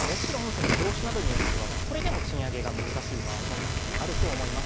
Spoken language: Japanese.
ただ、もちろん業種などによっては、それでも賃上げが難しい場合もあると思います。